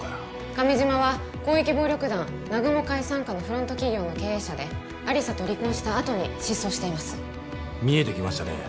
亀島は広域暴力団南雲会傘下のフロント企業の経営者で亜理紗と離婚したあとに失踪しています見えてきましたね